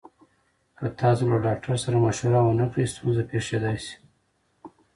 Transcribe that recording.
که تاسو له ډاکټر سره مشوره ونکړئ، ستونزه پېښېدای شي.